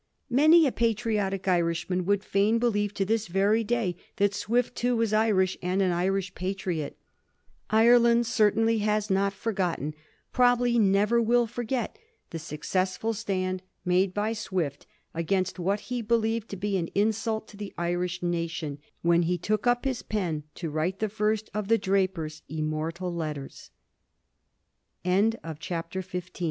Many a patriotic Irishman would fain believe to this very day that Swift, too, was Irish, and an Irish patriot. Ireland certainly has not yet forgotten, probably never will forget, the successful stand made by Swift against what he believed to be an insult to the Irish nation, when he took up his pen to write the fir